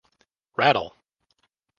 Rattle!